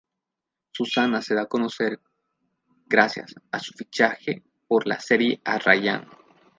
Susana se da a conocer gracias a su fichaje por la serie "Arrayán".